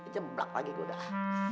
jemblak lagi gue udah